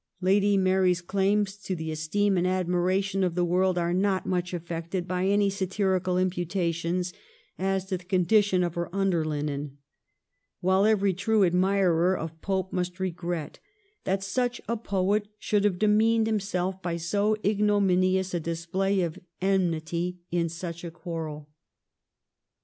Lady Mary's claims to the esteem and admiration of the world are not much affected by any satirical imputations as to the condi tion of her underlinen ; while every true admirer of Pope must regret that such a poet should have demeaned himself by so ignominious a display of enmity in such a quarrel.